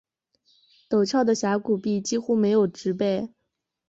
陡峭的峡谷壁几乎没有植被。